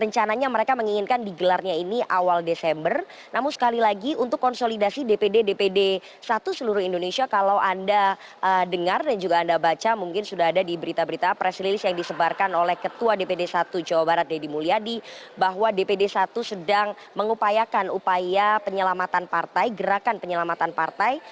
rencananya mereka menginginkan digelarnya ini awal desember namun sekali lagi untuk konsolidasi dpd dpd satu seluruh indonesia kalau anda dengar dan juga anda baca mungkin sudah ada di berita berita preslilis yang disebarkan oleh ketua dpd satu jawa barat deddy mulyadi bahwa dpd satu sedang mengupayakan upaya penyelamatan partai gerakan penyelamatan partai